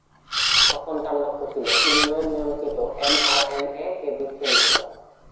তখন তার লক্ষ্য ছিল "উন্নয়ন-নিয়ন্ত্রিত এম-আরএনএ- কে বিচ্ছিন্ন করা"।